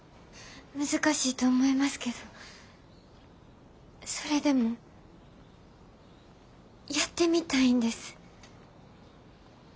難しいと思いますけどそれでもやってみたいんです。